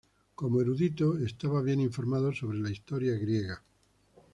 Como erudito, estaba bien informado sobre la historia griega.